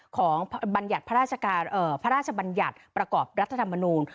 ของบัญญาติพระราชบัญญาติประกอบรัฐธรรมนูล